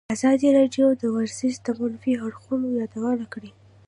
ازادي راډیو د ورزش د منفي اړخونو یادونه کړې.